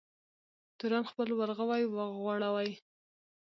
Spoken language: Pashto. تورن خپل ورغوی وغوړوی.